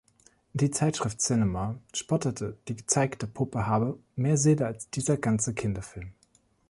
Die Zeitschrift "Cinema" spottete, die gezeigte Puppe habe "„mehr Seele als dieser ganze Kinderfilm“".